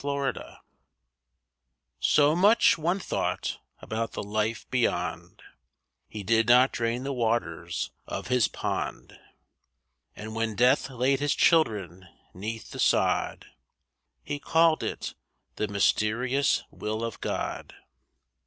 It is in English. TWO MEN So much one thought about the life beyond He did not drain the waters of his pond; And when death laid his children 'neath the sod He called it—'the mysterious will of God.